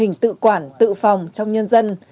mô hình tự quản tự phòng trong nhân dân